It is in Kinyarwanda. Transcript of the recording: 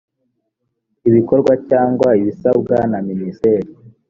ibikorwa cyangwa ibisabwa na minisitiri